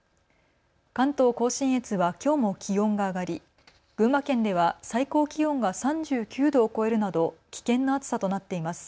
関東甲信越はきょうも気温が上がり群馬県では最高気温が３９度を超えるなど危険な暑さとなっています。